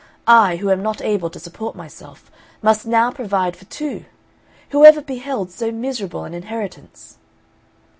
I, who am not able to support myself, must now provide for two. Whoever beheld so miserable an inheritance?"